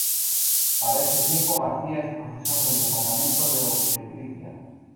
Para este tiempo García es Profesor del Departamento de Obstetricia.